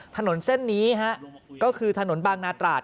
ถนนเส้นนี้ก็คือถนนบางนาตราด